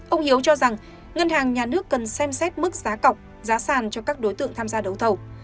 ông hiếu cho rằng ngân hàng nhà nước cần xem xét mức giá cọc giá sàn cho các đối tượng tham gia đấu thầu